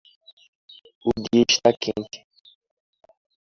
O dia está quente